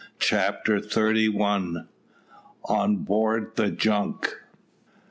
CHAPTER THIRTY ONE. ON BOARD THE JUNK.